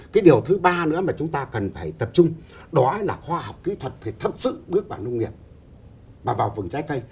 cái điều thứ ba nữa mà chúng ta cần phải tập trung đó là khoa học kỹ thuật phải thật sự bước vào nông nghiệp và vào vùng trái cây